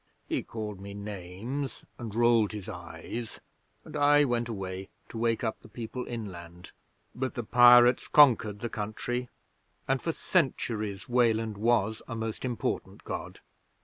'He called me names and rolled his eyes, and I went away to wake up the people inland. But the pirates conquered the country, and for centuries Weland was a most important God.